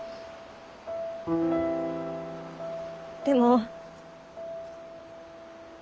でも。